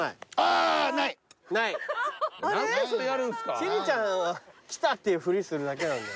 千里ちゃんは来たっていうふりするだけなんだよ。